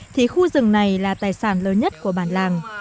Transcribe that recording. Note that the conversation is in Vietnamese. thì khu rừng này là tài sản lớn nhất của bản làng